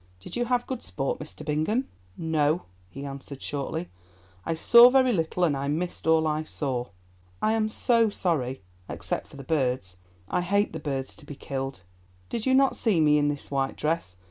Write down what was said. "Did you have good sport, Mr. Bingham?" "No," he answered shortly; "I saw very little, and I missed all I saw." "I am so sorry, except for the birds. I hate the birds to be killed. Did you not see me in this white dress?